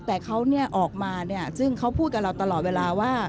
แต่เขาออกมาซึ่งเขาพูดกับเราตลอดเวลาว่า